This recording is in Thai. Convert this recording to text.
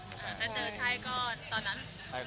การเจอชายก้อนตอนนั้น